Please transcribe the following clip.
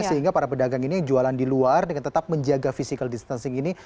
sehingga para pedagang ini jualan di luar dengan tetap menjaga physical distancing ini